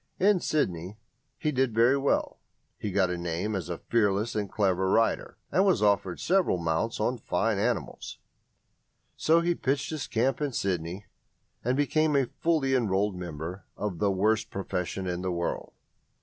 In Sydney he did very well; he got a name as a fearless and clever rider, and was offered several mounts on fine animals. So he pitched his camp in Sydney, and became a fully enrolled member of the worst profession in the world.